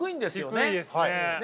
低いですね。